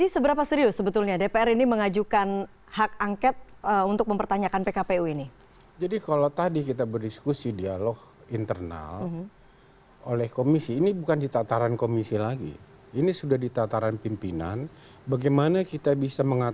sepertinya hanura saja yang berkeberatan